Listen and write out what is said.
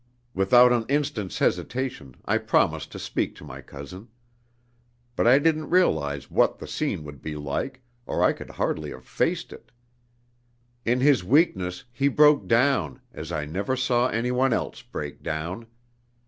Without an instant's hesitation I promised to speak to my cousin. But I didn't realize what the scene would be like, or I could hardly have faced it. In his weakness he broke down, as I never saw any one else break down.